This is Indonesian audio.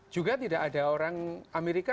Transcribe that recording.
juga tidak ada orang amerika